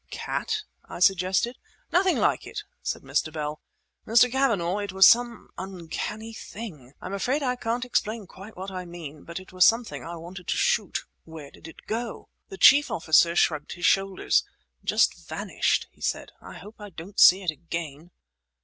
"Cat?" I suggested. "Nothing like it," said Mr. Bell. "Mr. Cavanagh, it was some uncanny thing! I'm afraid I can't explain quite what I mean, but it was something I wanted to shoot!" "Where did it go?" The chief officer shrugged his shoulders. "Just vanished," he said. "I hope I don't see it again."